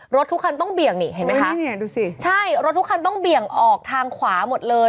รถทุกคันต้องเบี่ยงนี่เห็นไหมคะใช่รถทุกคันต้องเบี่ยงออกทางขวาหมดเลย